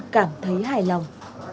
cảm thấy hài lòng